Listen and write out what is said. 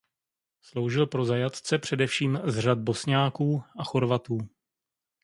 Sloužil pro zajatce především z řad Bosňáků a Chorvatů.